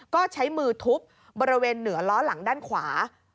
ก็ใช้มือทุบบริเวณเหนือล้อหลังด้านขวา